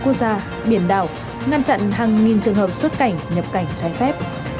quốc gia biển đảo ngăn chặn hàng nghìn trường hợp xuất cảnh nhập cảnh trái phép